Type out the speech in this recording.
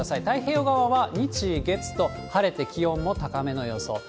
太平洋側は日、月と晴れて気温も高めの予想。